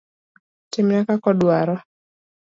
Timne kaka odwaro.